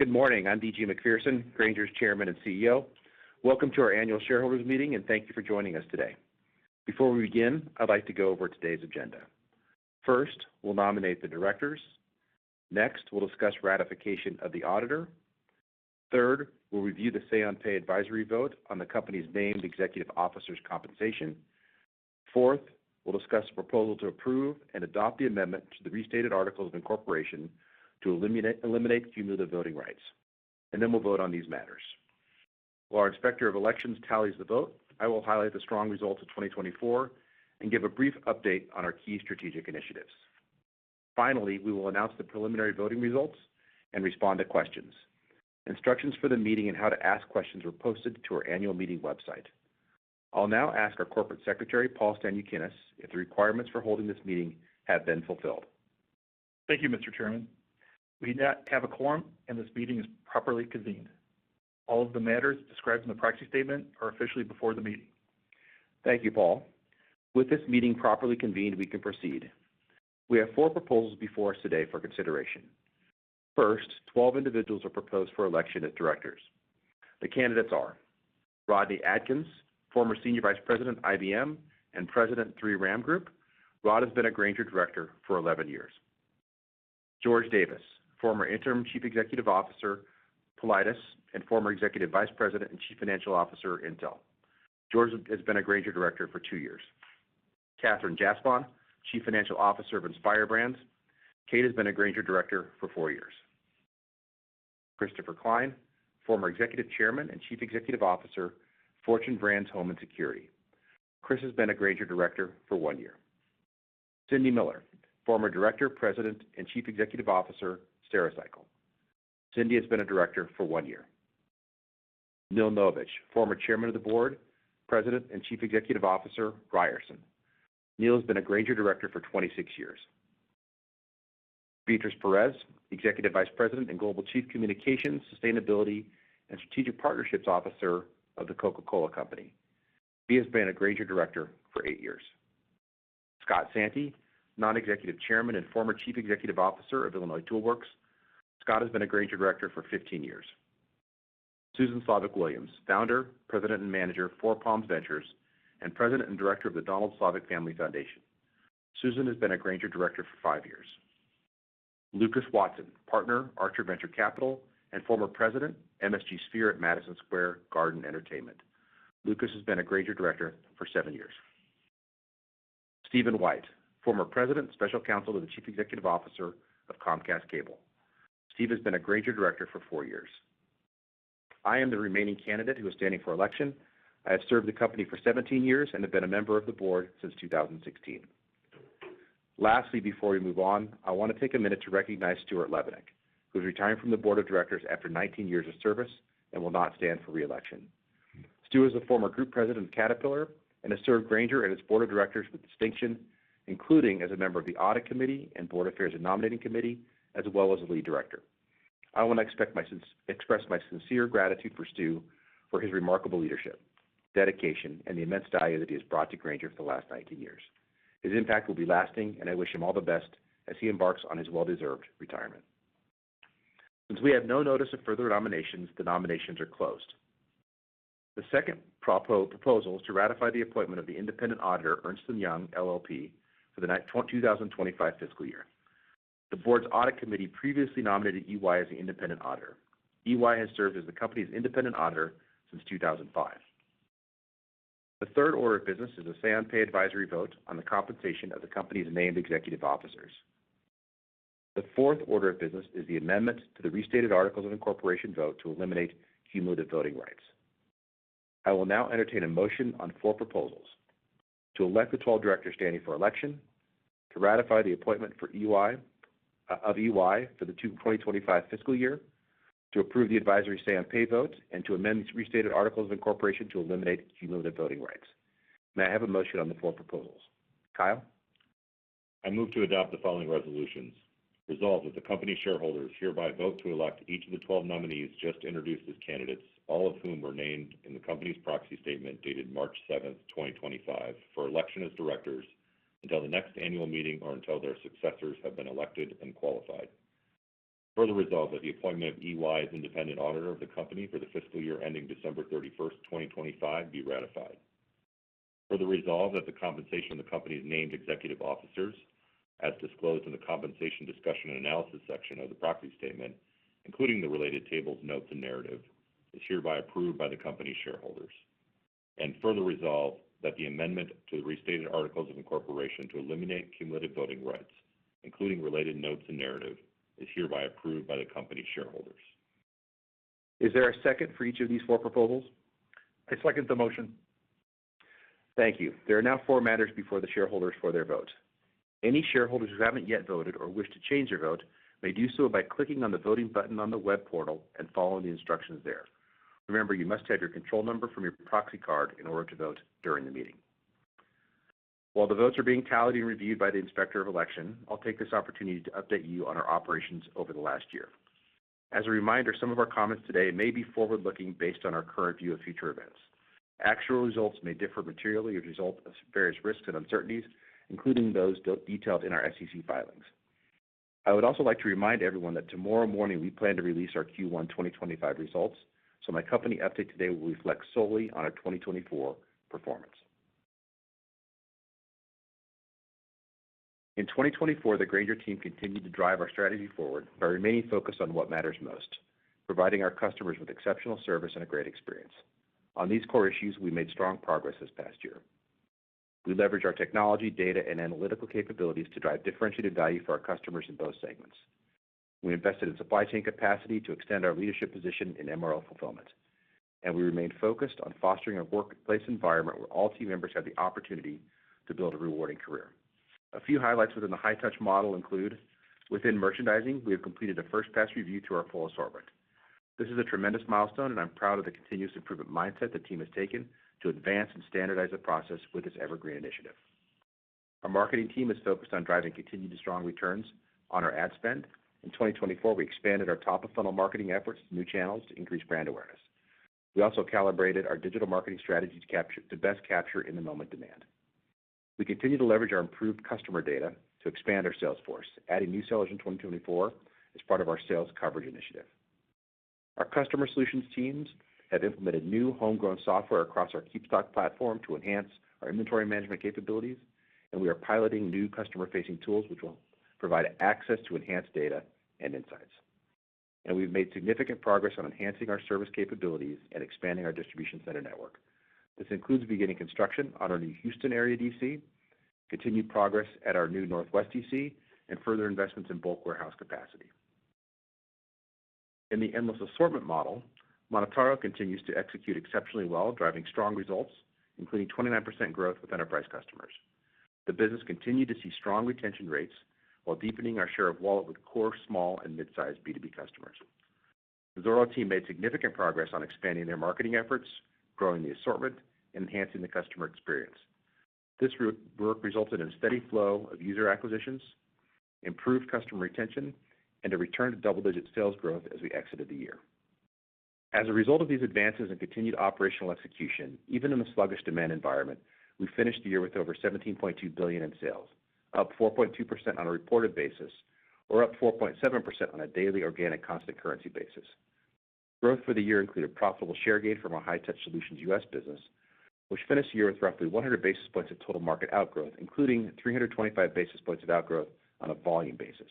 Good morning. I'm D.G. Macpherson, Grainger's Chairman and CEO. Welcome to our annual shareholders meeting, and thank you for joining us today. Before we begin, I'd like to go over today's agenda. First, we'll nominate the directors. Next, we'll discuss ratification of the auditor. Third, we'll review the Say-on-Pay advisory vote on the company's named executive officer's compensation. Fourth, we'll discuss a proposal to approve and adopt the amendment to the Restated Articles of Incorporation to eliminate cumulative voting rights, and then we'll vote on these matters. While our Inspector of Elections tallies the vote, I will highlight the strong results of 2024 and give a brief update on our key strategic initiatives. Finally, we will announce the preliminary voting results and respond to questions. Instructions for the meeting and how to ask questions were posted to our annual meeting website. I'll now ask our Corporate Secretary, Paul Stanukinas, if the requirements for holding this meeting have been fulfilled. Thank you, Mr. Chairman. We now have a quorum, and this meeting is properly convened. All of the matters described in the proxy statement are officially before the meeting. Thank you, Paul. With this meeting properly convened, we can proceed. We have four proposals before us today for consideration. First, 12 individuals are proposed for election as directors. The candidates are Rodney Adkins, former Senior Vice President, IBM, and President, 3RAM Group. Rod has been a Grainger director for 11 years. George Davis, former Chief Financial Officer, Applied Materials, and former Executive Vice President and Chief Financial Officer, Intel. George has been a Grainger director for two years. Katherine Jaspon, Chief Financial Officer of Inspire Brands. Kate has been a Grainger director for four years. Christopher Klein, former Executive Chairman and Chief Executive Officer, Fortune Brands Home and Security. Chris has been a Grainger director for one year. Cindy Miller, former Director, President, and Chief Executive Officer, Stericycle. Cindy has been a director for one year. Neal Novich, former Chairman of the Board, President, and Chief Executive Officer, Ryerson. Neal has been a Grainger director for 26 years. Beatrice Perez, Executive Vice President and Global Chief Communications, Sustainability, and Strategic Partnerships Officer of The Coca-Cola Company. She has been a Grainger director for eight years. Scott Santi, Non-Executive Chairman and former Chief Executive Officer of Illinois Tool Works. Scott has been a Grainger director for 15 years. Susan Slavik Williams, Founder, President, and Manager of Four Palms Ventures, and President and Director of The Donald Slavik Family Foundation. Susan has been a Grainger director for five years. Lucas Watson, Partner, Archer Venture Capital, and former President, MSG Sphere at Madison Square Garden Entertainment. Lucas has been a Grainger director for seven years. Steven White, former President, Special Counsel to the Chief Executive Officer of Comcast Cable. Steve has been a Grainger director for four years. I am the remaining candidate who is standing for election. I have served the company for 17 years and have been a member of the board since 2016. Lastly, before we move on, I want to take a minute to recognize Stuart Levenick, who has retired from the board of directors after 19 years of service and will not stand for reelection. Stuart is a former group president of Caterpillar and has served Grainger and its board of directors with distinction, including as a member of the audit committee and board affairs and nominating committee, as well as a lead director. I want to express my sincere gratitude for Stu for his remarkable leadership, dedication, and the immense value that he has brought to Grainger for the last 19 years. His impact will be lasting, and I wish him all the best as he embarks on his well-deserved retirement. Since we have no notice of further nominations, the nominations are closed. The second proposal is to ratify the appointment of the independent auditor, Ernst & Young LLP, for the 2025 fiscal year. The board's audit committee previously nominated EY as the independent auditor. EY has served as the company's independent auditor since 2005. The third order of business is a Say-on-Pay advisory vote on the compensation of the company's named executive officers. The fourth order of business is the amendment to the Restated Articles of Incorporation vote to eliminate cumulative voting rights. I will now entertain a motion on four proposals: to elect the 12 directors standing for election, to ratify the appointment of EY for the 2025 fiscal year, to approve the advisory Say-on-Pay vote, and to amend the Restated Articles of Incorporation to eliminate cumulative voting rights. May I have a motion on the four proposals? Kyle? I move to adopt the following resolutions. Resolve that the company's shareholders hereby vote to elect each of the 12 nominees just introduced as candidates, all of whom were named in the company's proxy statement dated March 7th, 2025, for election as directors until the next annual meeting or until their successors have been elected and qualified. Further resolve that the appointment of EY as independent auditor of the company for the fiscal year ending December 31st, 2025, be ratified. Further resolve that the compensation of the company's named executive officers, as disclosed in the compensation discussion and analysis section of the proxy statement, including the related tables, notes, and narrative, is hereby approved by the company's shareholders. And further resolve that the amendment to the Restated Articles of Incorporation to eliminate cumulative voting rights, including related notes and narrative, is hereby approved by the company's shareholders. Is there a second for each of these four proposals? I second the motion. Thank you. There are now four matters before the shareholders for their vote. Any shareholders who haven't yet voted or wish to change their vote may do so by clicking on the voting button on the web portal and following the instructions there. Remember, you must have your Control Number from your proxy card in order to vote during the meeting. While the votes are being tallied and reviewed by the Inspector of Elections, I'll take this opportunity to update you on our operations over the last year. As a reminder, some of our comments today may be forward-looking based on our current view of future events. Actual results may differ materially as a result of various risks and uncertainties, including those detailed in our SEC filings. I would also like to remind everyone that tomorrow morning we plan to release our Q1 2025 results, so my company update today will reflect solely on our 2024 performance. In 2024, the Grainger team continued to drive our strategy forward by remaining focused on what matters most: providing our customers with exceptional service and a great experience. On these core issues, we made strong progress this past year. We leveraged our technology, data, and analytical capabilities to drive differentiated value for our customers in both segments. We invested in supply chain capacity to extend our leadership position in MRO fulfillment, and we remained focused on fostering a workplace environment where all team members have the opportunity to build a rewarding career. A few highlights within the High-Touch model include: within merchandising, we have completed a first-pass review to our full assortment. This is a tremendous milestone, and I'm proud of the continuous improvement mindset the team has taken to advance and standardize the process with this Evergreen initiative. Our marketing team is focused on driving continued strong returns on our ad spend. In 2024, we expanded our top-of-funnel marketing efforts to new channels to increase brand awareness. We also calibrated our digital marketing strategy to best capture in-the-moment demand. We continue to leverage our improved customer data to expand our sales force, adding new sellers in 2024 as part of our sales coverage initiative. Our customer solutions teams have implemented new homegrown software across our KeepStock platform to enhance our inventory management capabilities, and we are piloting new customer-facing tools which will provide access to enhanced data and insights, and we've made significant progress on enhancing our service capabilities and expanding our distribution center network. This includes beginning construction on our new Houston area DC, continued progress at our new Northwest DC, and further investments in bulk warehouse capacity. In the Endless Assortment model, MonotaRO continues to execute exceptionally well, driving strong results, including 29% growth with enterprise customers. The business continued to see strong retention rates while deepening our share of wallet with core, small, and mid-sized B2B customers. The Zoro team made significant progress on expanding their marketing efforts, growing the assortment, and enhancing the customer experience. This work resulted in a steady flow of user acquisitions, improved customer retention, and a return to double-digit sales growth as we exited the year. As a result of these advances and continued operational execution, even in the sluggish demand environment, we finished the year with over $17.2 billion in sales, up 4.2% on a reported basis or up 4.7% on a daily organic constant currency basis. Growth for the year included profitable share gain from our High-Touch Solutions U.S. business, which finished the year with roughly 100 basis points of total market outgrowth, including 325 basis points of outgrowth on a volume basis.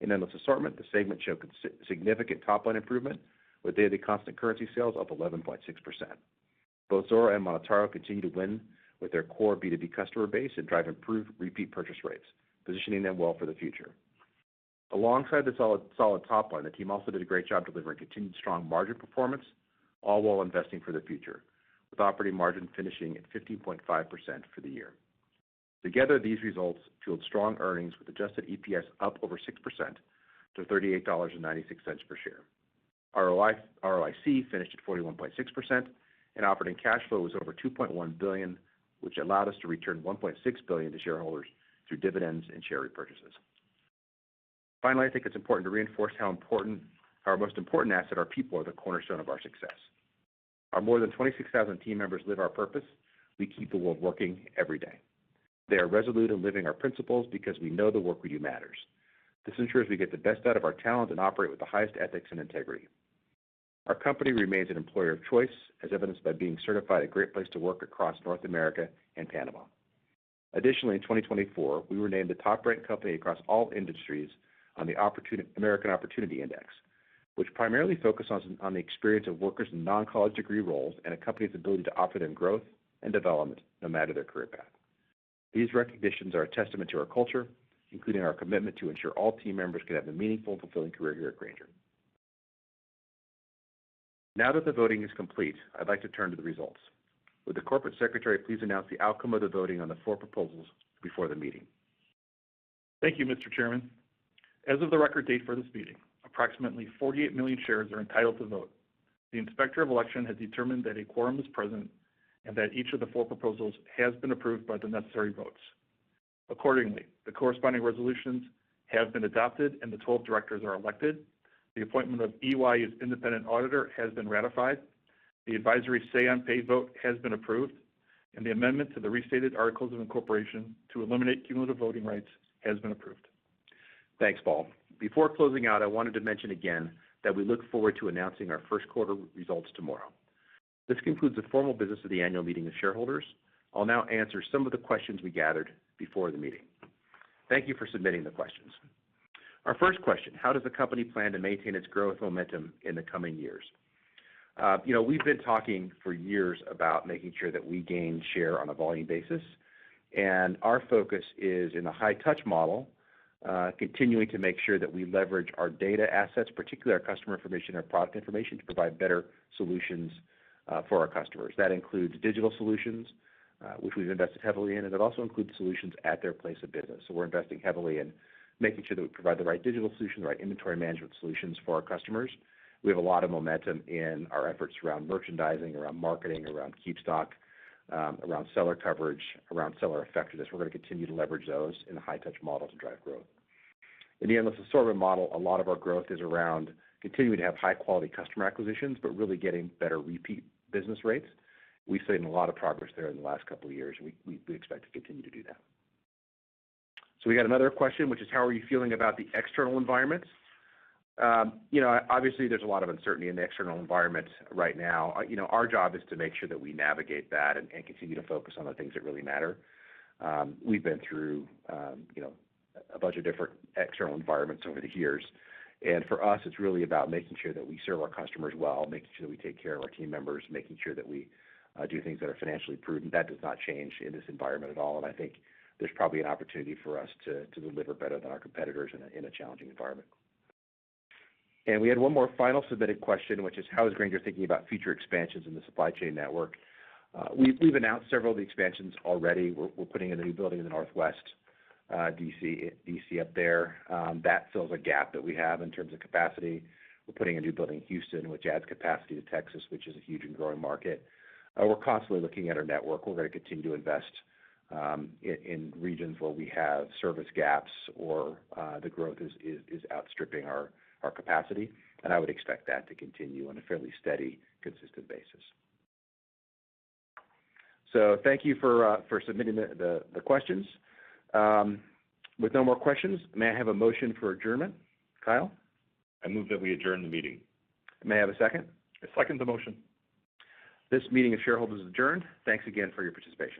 In Endless Assortment, the segment showed significant top-line improvement with daily constant currency sales up 11.6%. Both Zoro and MonotaRO continue to win with their core B2B customer base and drive improved repeat purchase rates, positioning them well for the future. Alongside the solid top line, the team also did a great job delivering continued strong margin performance, all while investing for the future, with operating margin finishing at 15.5% for the year. Together, these results fueled strong earnings with adjusted EPS up over 6% to $38.96 per share. ROIC finished at 41.6%, and operating cash flow was over $2.1 billion, which allowed us to return $1.6 billion to shareholders through dividends and share repurchases. Finally, I think it's important to reinforce how our most important asset, our people, are the cornerstone of our success. Our more than 26,000 team members live our purpose. We keep the world working every day. They are resolute in living our principles because we know the work we do matters. This ensures we get the best out of our talent and operate with the highest ethics and integrity. Our company remains an employer of choice, as evidenced by being certified a Great Place to Work across North America and Panama. Additionally, in 2024, we were named the top-ranked company across all industries on the American Opportunity Index, which primarily focuses on the experience of workers in non-college degree roles and a company's ability to offer them growth and development no matter their career path. These recognitions are a testament to our culture, including our commitment to ensure all team members can have a meaningful and fulfilling career here at Grainger. Now that the voting is complete, I'd like to turn to the results. Would the Corporate Secretary please announce the outcome of the voting on the four proposals before the meeting? Thank you, Mr. Chairman. As of the record date for this meeting, approximately 48 million shares are entitled to vote. The Inspector of Election has determined that a quorum is present and that each of the four proposals has been approved by the necessary votes. Accordingly, the corresponding resolutions have been adopted, and the 12 directors are elected. The appointment of EY as independent auditor has been ratified. The advisory Say-on-Pay vote has been approved, and the amendment to the Restated Articles of Incorporation to eliminate cumulative voting rights has been approved. Thanks, Paul. Before closing out, I wanted to mention again that we look forward to announcing our first quarter results tomorrow. This concludes the formal business of the annual meeting of shareholders. I'll now answer some of the questions we gathered before the meeting. Thank you for submitting the questions. Our first question: how does the company plan to maintain its growth momentum in the coming years? We've been talking for years about making sure that we gain share on a volume basis, and our focus is, in the High-Touch model, continuing to make sure that we leverage our data assets, particularly our customer information and our product information, to provide better solutions for our customers. That includes digital solutions, which we've invested heavily in, and it also includes solutions at their place of business. So we're investing heavily in making sure that we provide the right digital solutions, the right inventory management solutions for our customers. We have a lot of momentum in our efforts around merchandising, around marketing, around KeepStock, around seller coverage, around seller effectiveness. We're going to continue to leverage those in the High-Touch model to drive growth. In the Endless Assortment model, a lot of our growth is around continuing to have high-quality customer acquisitions but really getting better repeat business rates. We've seen a lot of progress there in the last couple of years, and we expect to continue to do that. So we got another question, which is: how are you feeling about the external environments? Obviously, there's a lot of uncertainty in the external environment right now. Our job is to make sure that we navigate that and continue to focus on the things that really matter. We've been through a bunch of different external environments over the years, and for us, it's really about making sure that we serve our customers well, making sure that we take care of our team members, making sure that we do things that are financially prudent. That does not change in this environment at all, and I think there's probably an opportunity for us to deliver better than our competitors in a challenging environment and we had one more final submitted question, which is: how is Grainger thinking about future expansions in the supply chain network? We've announced several of the expansions already. We're putting in a new building in the Northwest DC, up there. That fills a gap that we have in terms of capacity. We're putting a new building in Houston, which adds capacity to Texas, which is a huge and growing market. We're constantly looking at our network. We're going to continue to invest in regions where we have service gaps or the growth is outstripping our capacity, and I would expect that to continue on a fairly steady, consistent basis. So thank you for submitting the questions. With no more questions, may I have a motion for adjournment? Kyle? I move that we adjourn the meeting. May I have a second? I second the motion. This meeting of shareholders is adjourned. Thanks again for your participation.